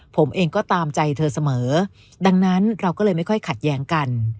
ผมเองก็ตามใจเธอเสมอดังนั้นเราก็เลยไม่ค่อยขัดแย้งกัน